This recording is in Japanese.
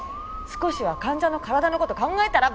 少しは患者の体の事考えたら？